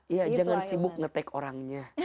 iya jangan sibuk nge take orangnya